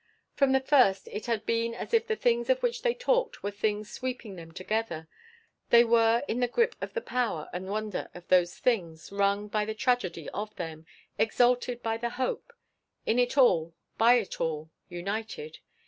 From the first, it had been as if the things of which they talked were things sweeping them together, they were in the grip of the power and the wonder of those things, wrung by the tragedy of them, exalted by the hope in it all, by it all, united.